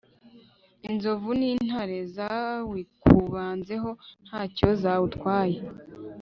inzovu nintare zawikubanzeho ntacyo zawutwaye